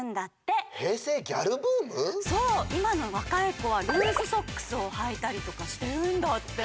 そういまのわかいこはルーズソックスをはいたりとかしてるんだって！